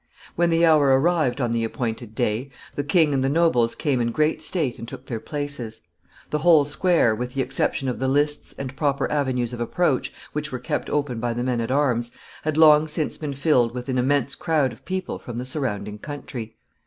When the hour arrived on the appointed day, the king and the nobles came in great state and took their places. The whole square, with the exception of the lists and proper avenues of approach, which were kept open by the men at arms, had long since been filled with an immense crowd of people from the surrounding country.